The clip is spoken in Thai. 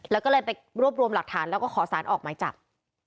แล้วก็เลยไปรวบรวมหลักฐานแล้วก็ขอสารออกหมายจับ